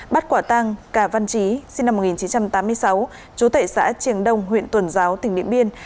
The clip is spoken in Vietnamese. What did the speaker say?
bắt quả tăng cà văn trí sinh năm một nghìn chín trăm tám mươi sáu chú tệ xã triềng đông huyện tuần giáo tỉnh điện biên